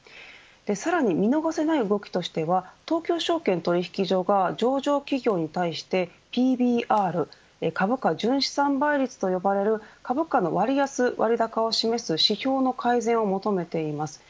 さらに見逃せない動きとしては東京証券取引所が上場企業に対してＰＢＲ株価純資産倍率と呼ばれる株価の割安割高を示す指標の改善を求めています。